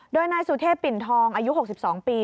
โดยนายสุเทพปิ่นทองอายุ๖๒ปี